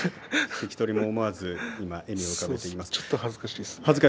関取も思わず笑みを浮かべています。